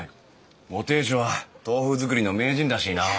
ご亭主は豆腐作りの名人らしいな。